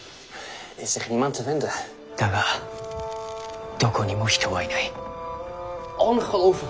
「だがどこにも人はいない」。